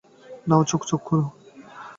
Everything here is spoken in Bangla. নাও চোখ খোলো।